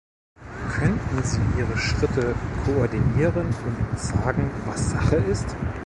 Könnten sie ihre Schritte koordinieren und uns sagen, was Sache ist?